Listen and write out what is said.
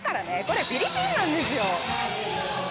これフィリピンなんですよ